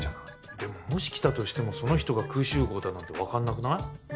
でももし来たとしてもその人がクウシュウゴウだなんて分かんなくない？